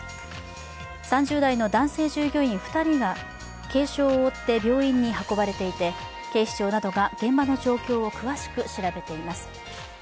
３０代の男性従業員２人が軽傷を負って病院に運ばれていて警視庁などが現場の状況を詳しく調べています。